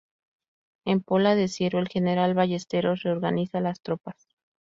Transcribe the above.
En Pola de Siero, el general Ballesteros reorganiza las tropas.